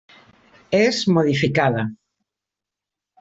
És modificada.